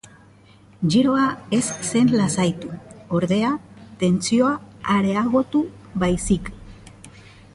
Giroa ez zen lasaitu, ordea, tentsioa areagotu baizik.